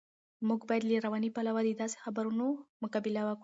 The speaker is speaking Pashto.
موږ باید له رواني پلوه د داسې خبرونو مقابله وکړو.